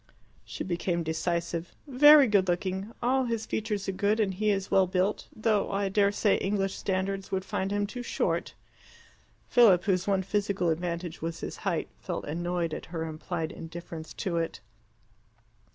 She became decisive. "Very good looking. All his features are good, and he is well built though I dare say English standards would find him too short." Philip, whose one physical advantage was his height, felt annoyed at her implied indifference to it.